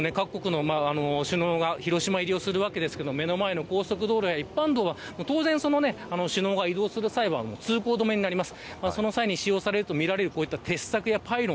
まさに、この後各国の首脳が広島入りをするわけですけれども目の前の高速道路や一般道は当然、首脳が移動する際は通行止めになります。